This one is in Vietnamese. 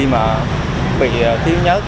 mà bị thiếu nhất